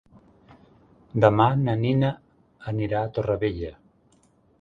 Demà na Nina anirà a Torrevella.